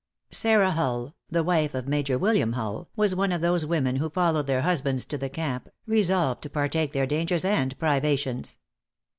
|Sarah Hull, the wife of Major William Hull, was one of those women who followed their husbands to the camp, resolved to partake their dangers and privations.